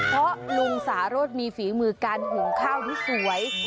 เพราะลุงสารสมีฝีมือการหุงข้าวที่สวย